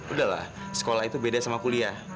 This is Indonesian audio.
udah lah sekolah itu beda sama kuliah